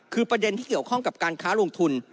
คือประเด็นที่เกี่ยวข้องกับการค้าลงทุน